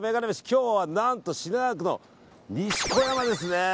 今日は何と品川区の西小山ですね。